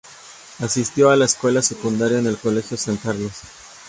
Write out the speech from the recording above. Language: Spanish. Asistió a la escuela secundaria en el Colegio San Carlos.